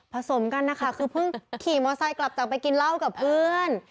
สมกันนะคะคือเพิ่งขี่มอไซค์กลับจากไปกินเหล้ากับเพื่อน